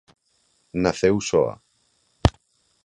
Naceu soa.